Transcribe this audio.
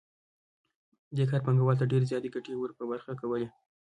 دې کار پانګوال ته ډېرې زیاتې ګټې ور په برخه کولې